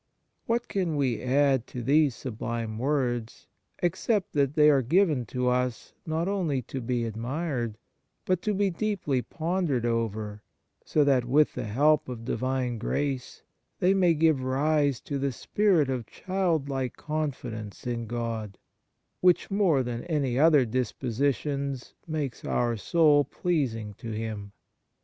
What can we add to these sublime words, except that they are given to us not only to be admired, but to be deeply pondered over, so that with the help of Divine grace they may give rise to the spirit of child like confidence in God, which more than any other dispositions makes our soul pleasing to Him.